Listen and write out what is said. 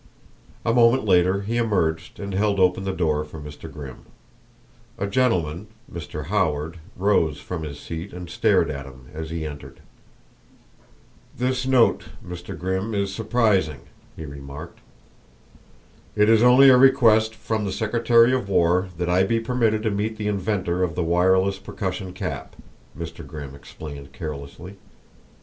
A moment later he emerged and held open the door for Mr. Grimm. A gentleman Mr. Howard rose from his seat and stared at him as he entered. "This note, Mr. Grimm, is surprising," he remarked. "It is only a request from the secretary of war that I be permitted to meet the inventor of the wireless percussion cap," Mr. Grimm explained carelessly.